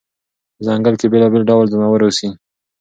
په ځنګل کې بېلابېل ډول ځناور اوسي.